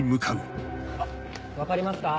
・分かりますか？